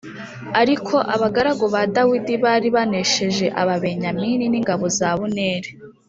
Ariko abagaragu ba Dawidi bari banesheje Ababenyamini n’ingabo za Abuneri